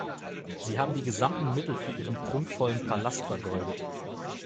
Sie haben die gesamten Mittel für Ihren prunkvollen Palast vergeudet.